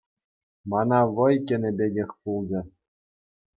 Мана вӑй кӗнӗ пекех пулчӗ.